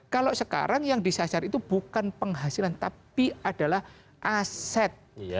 kalau sekarang yang disasar itu bukan penghasilan tapi adalah aset